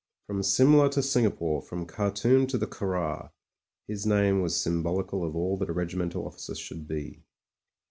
From Simla to Singapore, from Khartoum to the Curragh his name was symbolical of all that a regimental officer should be.